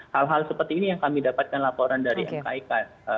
hal hal seperti ini yang kami dapatkan laporan dari mkik